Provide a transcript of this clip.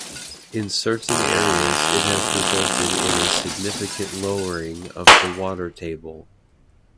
In certain areas it has resulted in a significant lowering of the water table.